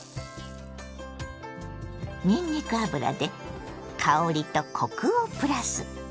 にんにく油で香りとコクをプラス。